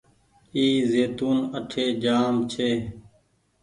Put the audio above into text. اي زيتونٚ اٺي جآم ڇي۔